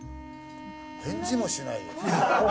返事もしない。